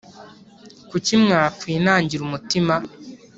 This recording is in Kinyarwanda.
Kuki mwakwinangira umutima